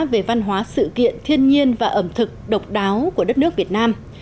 về văn hóa sự kiện thiên nhiên và ẩm thực độc đáo của đất nước việt nam